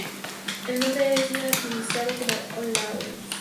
El nombre es latinizado como "Olaus".